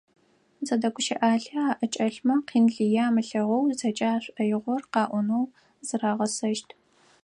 Зэдэгущыӏалъэ аӏэкӏэлъмэ, къин лые амылъэгъоу зэкӏэ ашӏоигъор къаӏонэу зырагъэсэщт.